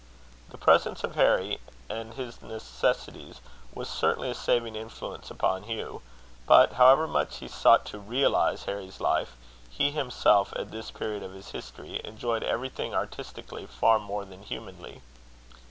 The presence of Harry and his necessities was certainly a saving influence upon Hugh; but, however much he sought to realize Harry's life, he himself, at this period of his history, enjoyed everything artistically far more than humanly.